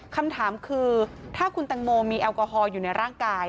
คำถามคือถ้าคุณแตงโมมีแอลกอฮอลอยู่ในร่างกาย